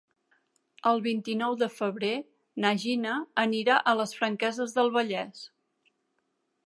El vint-i-nou de febrer na Gina anirà a les Franqueses del Vallès.